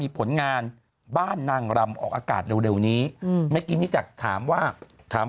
ผลงานบ้านนางรำออกอากาศเร็วนี้เมื่อกี้นี่จากถามว่าถาม